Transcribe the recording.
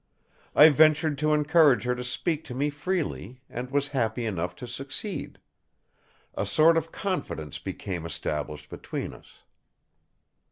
I ventured to encourage her to speak to me freely; and was happy enough to succeed. A sort of confidence became established between us."